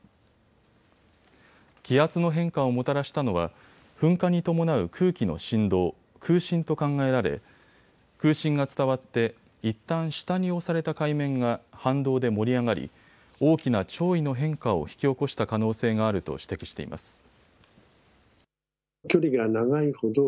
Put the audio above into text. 気圧の変化をもたらしたのは噴火に伴う空気の振動・空振と考えられ空振が伝わっていったん下に押された海面が反動で盛り上がり、大きな潮位の変化を引き起こした可能性があると指摘しています。